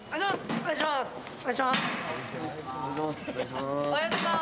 お願いします！